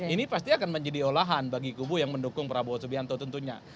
ini pasti akan menjadi olahan bagi kubu yang mendukung prabowo subianto tentunya